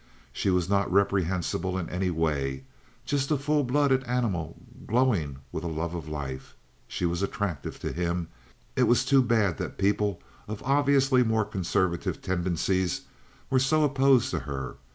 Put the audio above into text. She was not reprehensible in any way—just a full blooded animal glowing with a love of life. She was attractive to him. It was too bad that people of obviously more conservative tendencies were so opposed to her.